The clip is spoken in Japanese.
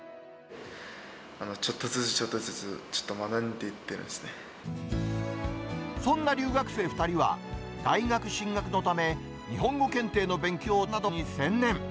ちょっとずつちょっとずつ、そんな留学生２人は、大学進学のため、日本語検定の勉強などに専念。